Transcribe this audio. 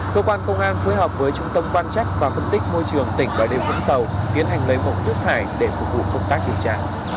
cơ quan công an phối hợp với trung tâm quan trách và phân tích môi trường tỉnh và địa phương tàu kiến hành lấy mộng nước thải để phục vụ công tác điều tra